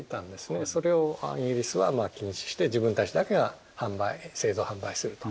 それをイギリスは禁止して自分たちだけが製造販売すると。